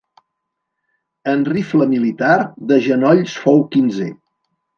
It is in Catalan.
En rifle militar, de genolls fou quinzè.